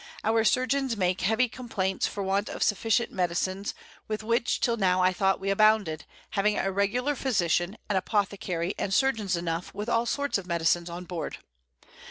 Our Surgeons make heavy Complaints for want of sufficient Medicines, with which till now I thought we abounded, having a regular Physician, an Apothecary, and Surgeons enough, with all sorts of Medicines on board.